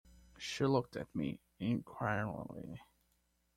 She looked at me inquiringly.